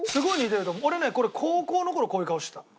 俺ねこれ高校の頃こういう顔してた。